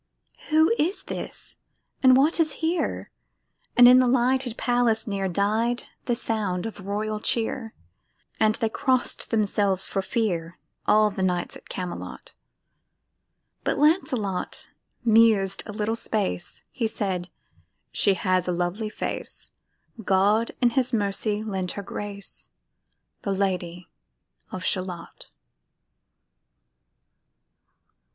Who is this? and what is here? And in the lighted palace near Died the sound of royal cheer; And they cross'd themselves for fear, All the knights at Camelot: But Lancelot mused a little space; He said, "She has a lovely face; God in His mercy lend her grace, The Lady of Shalott."